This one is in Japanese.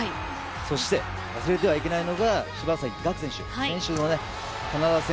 そして、忘れてはいけないのが柴崎岳選手。